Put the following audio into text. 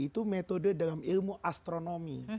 itu metode dalam ilmu astronomi